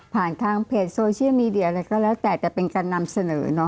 ผ่านทางเพจโซเชียลมีเดียอะไรก็แล้วแต่จะเป็นการนำเสนอ